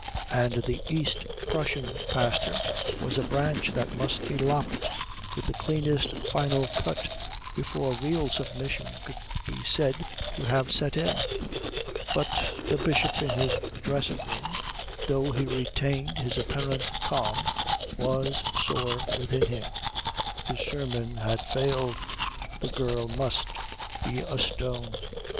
And the East Prussian pastor was a branch that must be lopped with the cleanest final cut before real submission could be said to have set in. But the Bishop in his dressing room, though he retained his apparent calm, was sore within him. His sermon had failed. The girl must be a stone.